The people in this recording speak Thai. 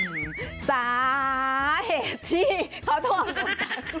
อืมสาเหตุที่เขาโทษหลวงตากล้วย